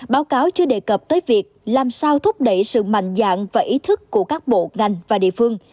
báo cáo chưa đề cập tới việc làm sao thúc đẩy sự mạnh dạng và ý thức của các bộ ngành và địa phương